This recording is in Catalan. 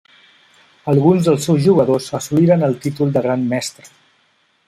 Alguns dels seus jugadors assoliren el títol de Gran Mestre.